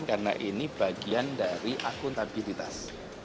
karena ini bagian dari akuntabilitas